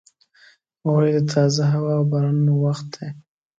غویی د تازه هوا او بارانونو وخت دی.